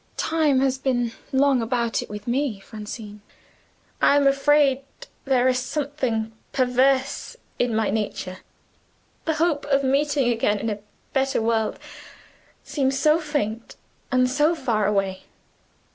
"Time has been long about it with me, Francine. I am afraid there is something perverse in my nature; the hope of meeting again in a better world seems so faint and so far away.